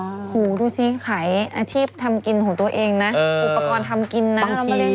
โอ้โหดูสิขายอาชีพทำกินของตัวเองนะอุปกรณ์ทำกินนะ